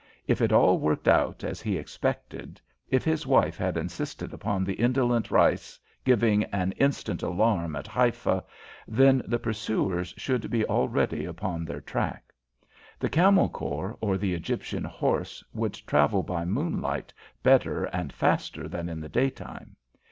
If it all worked out as he expected, if his wife had insisted upon the indolent reis giving an instant alarm at Haifa, then the pursuers should be already upon their track. The Camel Corps or the Egyptian Horse would travel by moonlight better and faster than in the daytime.